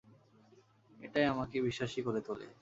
এটাই আমাকে বিশ্বাসী করে তোলে।